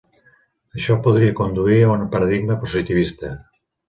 Això podria conduir a un paradigma positivista.